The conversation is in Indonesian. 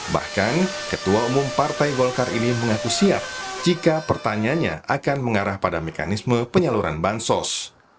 bahkan ketua umum partai golkar ini mengaku siap jika pertanyaannya akan mengarah pada mekanisme penyaluran bansos